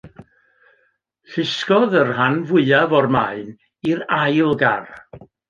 Llusgodd y rhan fwyaf o'r maen i'r ail gar.